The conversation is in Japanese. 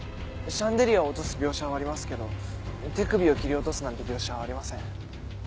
シャンデリアを落とす描写はありますけど手首を切り落とすなんて描写はありません。